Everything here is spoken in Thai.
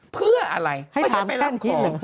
เพื่ออะไรไม่ใช่ไปรับของ